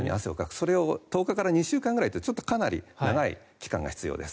それを１０日から２週間ぐらいかなり長い期間が必要です。